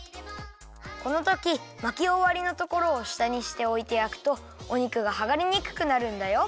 このとき巻きおわりのところをしたにしておいてやくとおにくがはがれにくくなるんだよ。